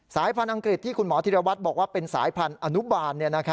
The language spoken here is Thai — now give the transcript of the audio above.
สายพันธุ์อังกฤษที่คุณหมอธิรวัตรบอกว่าเป็นสายพันธุ์อนุบาล